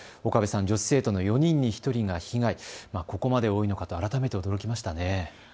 岡部さん、女子生徒の４人に１人が被害、ここまで多いのかと改めて驚きましたね。